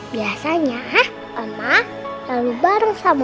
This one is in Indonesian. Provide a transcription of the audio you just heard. biasanya emah lalu bareng sama opah